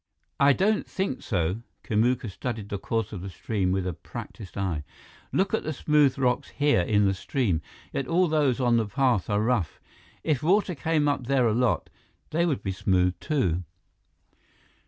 "I don't think so." Kamuka studied the course of the stream with a practiced eye. "Look at the smooth rocks here in the stream, yet all those on the path are rough. If water came up there a lot, they would be smooth, too."